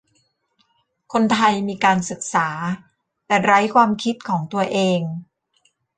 คนไทยมีการศึกษาแต่ไร้ความคิดของตัวเอง